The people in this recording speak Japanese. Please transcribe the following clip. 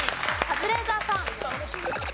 カズレーザーさん。